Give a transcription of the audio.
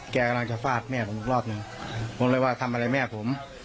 แกกำลังจะฟาดแม่ผมอีกรอบหนึ่งผมเลยว่าทำอะไรแม่ผม